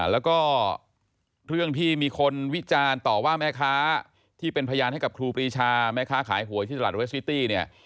แล้วก็เรื่องที่มีคนวิจารณ์ต่อว่าแม่ค้าที่เป็นพยานให้กับครูปรีชาแม่ค้าขายหวยที่ตลาดเวสซิตี้เนี่ย